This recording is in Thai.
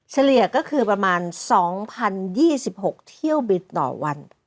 เฉลี่ยก็คือประมาณ๒๐๒๖เที่ยวบินต่อวัน